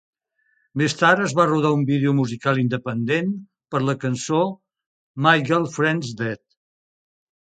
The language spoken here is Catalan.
Més tard es va rodar un vídeo musical independent per a la cançó "My Girlfriend's Dead".